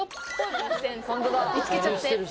見つけちゃって。